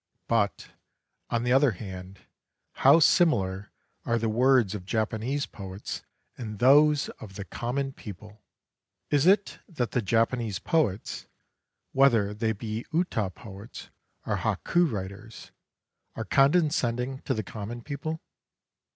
But, on the other hand, how similar are the words of Japanese poets and those of the common people ! Is it that the Japanese poets, whether they be Uta poets or Hokku writers, are condescending to the common people